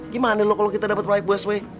gimana loh kalau kita dapat proyek buas weh